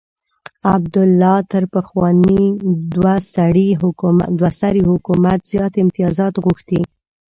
عبدالله تر پخواني دوه سري حکومت زیات امتیازات غوښتي.